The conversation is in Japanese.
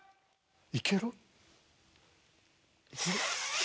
いける？